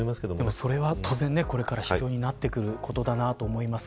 それは当然、これから必要になってくることだなと思います。